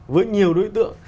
với nhiều đối tượng